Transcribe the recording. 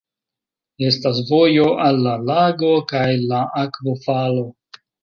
Estas vojo al la lago kaj la akvofalo.